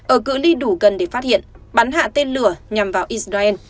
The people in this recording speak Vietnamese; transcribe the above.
ở cửa ly đủ gần để phát hiện bắn hạ tên lửa nhằm vào israel